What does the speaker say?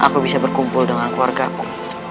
aku bisa berkumpul dengan keluarga ku